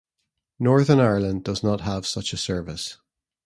Northern Ireland does not have such a service.